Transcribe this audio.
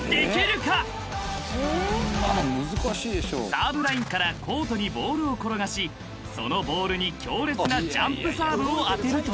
［サーブラインからコートにボールを転がしそのボールに強烈なジャンプサーブを当てるというもの］